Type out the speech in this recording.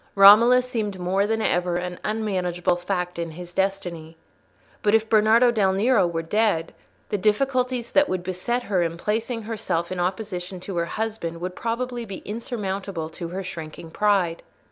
Romola seemed more than ever an unmanageable fact in his destiny. But if Bernardo del Nero were dead, the difficulties that would beset her in placing herself in opposition to her husband would probably be insurmountable to her shrinking pride.